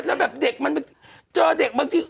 แล้วแบบเด็กมันเจอเด็กบางที